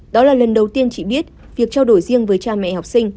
đó là lần đầu tiên chị biết việc trao đổi riêng với cha mẹ học sinh